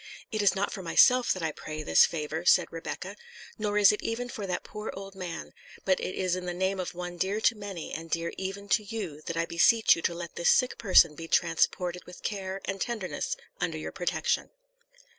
"It is not for myself that I pray this favour," said Rebecca; "nor is it even for that poor old man; but it is in the name of one dear to many, and dear even to you, that I beseech you to let this sick person be transported with care and tenderness under your protection."